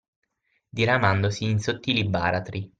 Diramandosi in sottili baratri